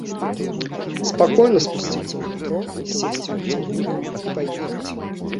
Спакойна спусціцца ў метро, сесці ў цягнік і паехаць.